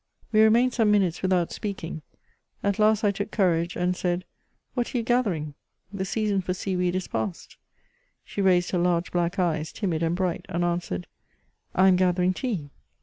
We remained some minutes without speaking ; at last I took courage and said, '' What are you gathering ? The season for sea weed is past." She raised her large black eyes, timid and bright, and answered: " I am gathering tea."